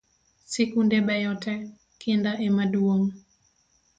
Sikunde beyo te, kinda emaduong’